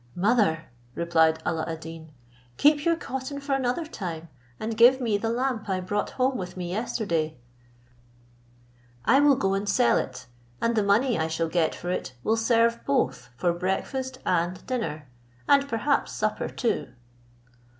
"Mother," replied Alla ad Deen, "keep your cotton for another time, and give me the lamp I brought home with me yesterday; I will go and sell it, and the money I shall get for it will serve both for breakfast and dinner, and perhaps supper too."